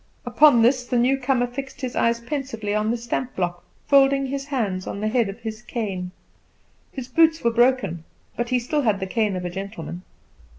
Upon this the newcomer fixed his eyes pensively on the stamp block, folding his hands on the head of his cane. His boots were broken, but he still had the cane of a gentleman.